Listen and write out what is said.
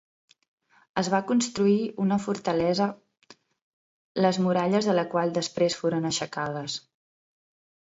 Es va construir una fortalesa les muralles de la qual després foren aixecades.